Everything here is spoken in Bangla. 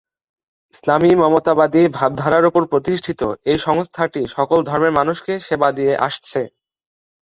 ইসলামী মানবতাবাদী ভাবধারার ওপর প্রতিষ্ঠিত এই সংস্থাটি সকল ধর্মের মানুষকে সেবা দিয়ে আসছে।